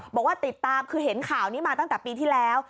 บอกว่าติดตามคือเห็นข่าวนี้มาตั้งแต่ปีที่แล้ว